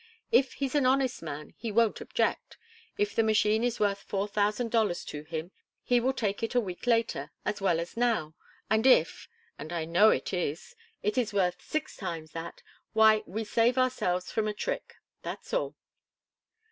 If he's an honest man, he won't object; if the machine is worth four thousand dollars to him, he will take it a week later as well as now, and if and I know it is it is worth six times that, why, we save ourselves from a trick, that's all."